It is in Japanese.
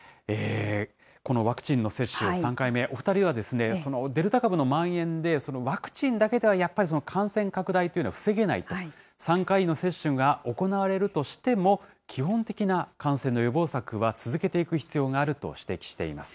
このワクチンの接種、３回目、お２人は、デルタ株のまん延でワクチンだけではやっぱり感染拡大というのは防げないと、３回の接種が行われるとしても、基本的な感染の予防策は続けていく必要があると指摘しています。